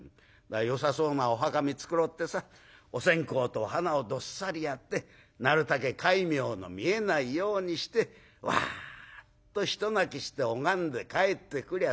よさそうなお墓見繕ってさお線香とお花をどっさりやってなるたけ戒名の見えないようにしてわっと一泣きして拝んで帰ってくりゃ